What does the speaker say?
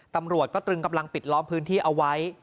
ตำรวจก็ตรึงกำลังปิดล้อมพื้นที่เอาไว้